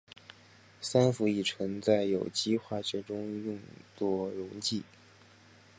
三氟乙醇在有机化学中用作溶剂。